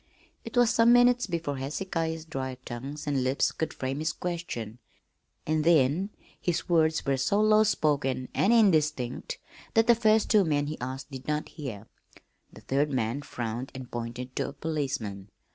It was some minutes before Hezekiah's dry tongue and lips could frame his question, and then his words were so low spoken and indistinct that the first two men he asked did not hear. The third man frowned and pointed to a policeman.